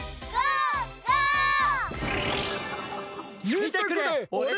みてくれ！